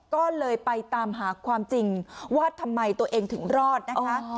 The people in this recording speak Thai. ก็เลยไปตามหาความจริงว่าทำไมตัวเองถึงรอดนะคะ